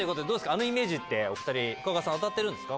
あのイメージってお二人深川さん当たってるんですか？